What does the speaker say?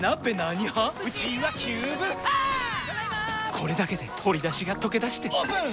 これだけで鶏だしがとけだしてオープン！